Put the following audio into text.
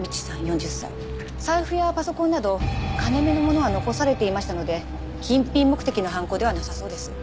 財布やパソコンなど金目のものは残されていましたので金品目的の犯行ではなさそうです。